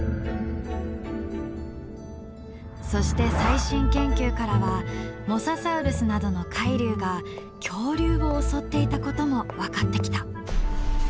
そして最新研究からはモササウルスなどの海竜が恐竜を襲っていたことも分かってきた。